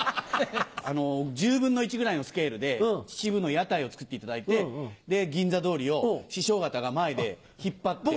１０分の１ぐらいのスケールで秩父の屋台を作っていただいて銀座通りを師匠方が前で引っ張って。